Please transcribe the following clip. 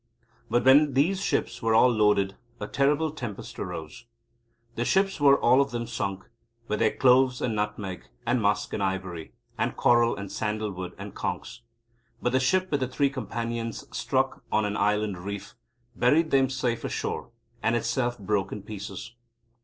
But when these ships were all loaded a terrible tempest arose. The ships were all of them sunk, with their cloves and nutmeg, and musk and ivory, and coral and sandal wood and conchs. But the ship with the Three Companions struck on an island reef, buried them safe ashore, and itself broke in pieces.